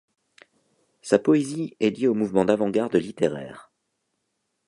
Sa poésie est liée au mouvement d'avant-garde littéraire.